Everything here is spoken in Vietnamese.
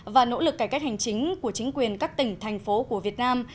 và nỗ lực cải cách hành chính của chính quyền các tỉnh thành phố của việt nam